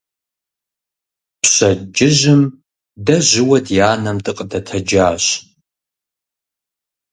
Пщэдджыжьым дэ жьыуэ ди анэм дыкъыдэтэджащ.